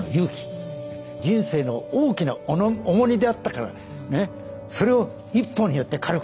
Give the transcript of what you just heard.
人生の大きな重荷であったからそれを一歩によって軽くしたんですね。